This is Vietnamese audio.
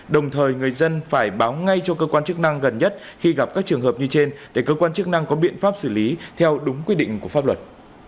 đồng thời người dân phải báo ngay cho cơ quan chức năng gần nhất khi gặp các trường hợp như trên để cơ quan chức năng có biện pháp xử lý theo đúng quy định của pháp luật